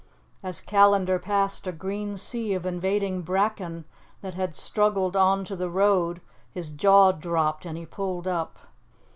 As Callandar passed a green sea of invading bracken that had struggled on to the road his jaw dropped and he pulled up.